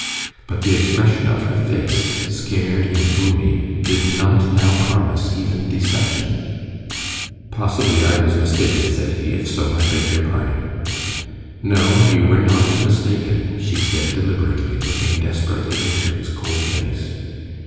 But the expression of her face, scared and gloomy, did not now promise even deception. "Possibly I was mistaken," said he. "If so, I beg your pardon." "No, you were not mistaken," she said deliberately, looking desperately into his cold face.